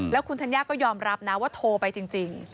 แล้วคุณธัญญาก็ยอมรับนะว่าโทรไปจริง